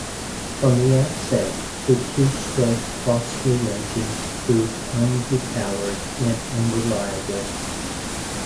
From the outset, the two-stroke Crossley engines proved under-powered and unreliable.